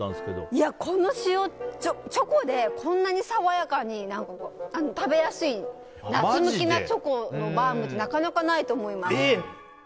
いや、チョコでこんなに爽やかに食べやすい夏向きなチョコのバウムってなかなかないと思います。